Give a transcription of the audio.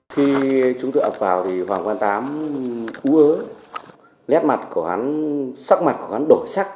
khi chúng tôi ập vào thì hoàng văn tám u ớ nét mặt của hán sắc mặt của hán đổi sắc